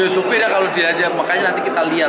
supirnya kalau diajak makanya nanti kita lihat